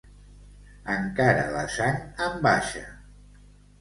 Encara la sang en baixa.